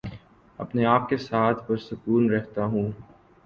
اپنے آپ کے ساتھ پرسکون رہتا ہوں